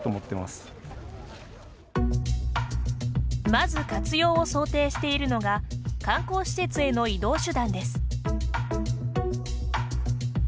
まず活用を想定しているのが観光施設への移動手段です。